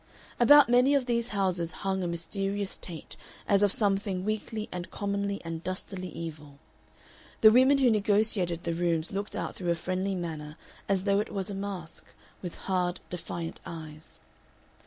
About many of these houses hung a mysterious taint as of something weakly and commonly and dustily evil; the women who negotiated the rooms looked out through a friendly manner as though it was a mask, with hard, defiant eyes.